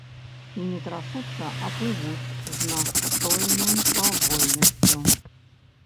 І не трасуцца, а плывуць з настойнай павольнасцю.